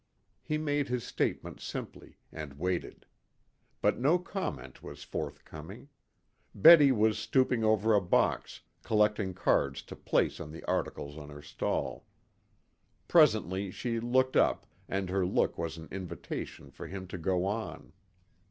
He made his statement simply, and waited. But no comment was forthcoming. Betty was stooping over a box, collecting cards to place on the articles on her stall. Presently she looked up, and her look was an invitation for him to go on.